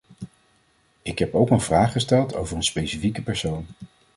Ik heb ook een vraag gesteld over een specifieke persoon.